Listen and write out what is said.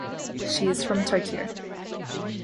She is from Tokyo.